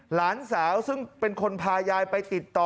หลานสาวซึ่งเป็นคนพายายไปติดต่อ